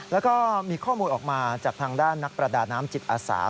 แล้วก็มีข้อมูลออกมาจากทางด้านนักประดาน้ำจิตอาสา